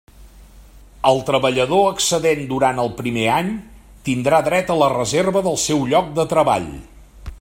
El treballador excedent durant el primer any tindrà dret a la reserva del seu lloc de treball.